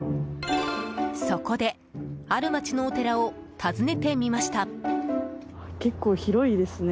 そこで、ある街のお寺を訪ねてみました。